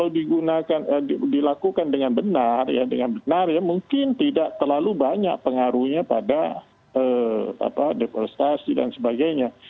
kalau dilakukan dengan benar ya dengan benar ya mungkin tidak terlalu banyak pengaruhnya pada deforestasi dan sebagainya